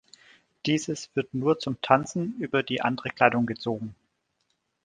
Dieses wird nur zum Tanzen über die andere Kleidung gezogen.